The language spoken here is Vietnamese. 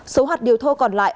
số hạt điều thô còn lại